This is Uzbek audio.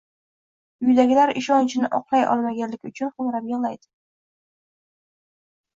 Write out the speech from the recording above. uydagilar ishonchini oqlay olmaganligi uchun xo‘ngrab yig‘laydi.